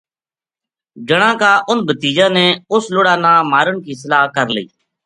جنا کا اُنھ بھتیجاں نے اس لُڑا نا مارن کی صلاح کر لئی